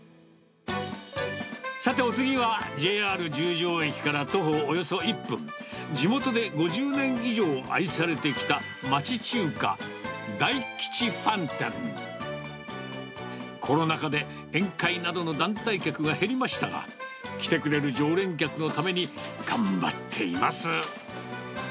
さて、お次は、ＪＲ十条駅から徒歩およそ１分、地元で５０年以上愛されてきた町中華、大吉飯店。コロナ禍で宴会などの団体客が減りましたが、来てくれる常連客のために頑張っています。